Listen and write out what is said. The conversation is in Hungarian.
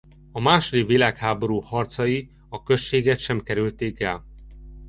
A második világháború harcai a községet sem kerülték el.